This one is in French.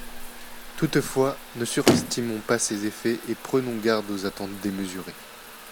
Toutefois, ne surestimons pas ses effets et prenons garde aux attentes démesurées.